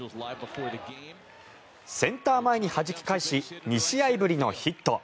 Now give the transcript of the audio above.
センター前にはじき返し２試合ぶりのヒット。